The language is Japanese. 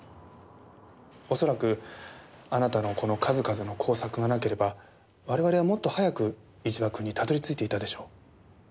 恐らくあなたのこの数々の工作がなければ我々はもっと早く一場君にたどり着いていたでしょう。